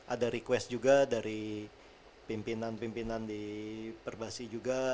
ada request juga dari pimpinan pimpinan di perbasi juga